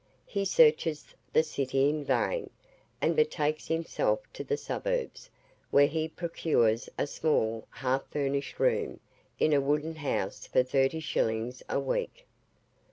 He searches the city in vain, and betakes himself to the suburbs, where he procures a small, half furnished room, in a wooden house for thirty shillings a week.